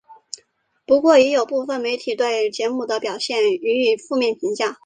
不过也有部分媒体对节目的表现予以负面评价。